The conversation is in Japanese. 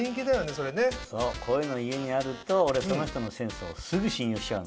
そうこういうの家にあると俺その人のセンスをすぐ信用しちゃう。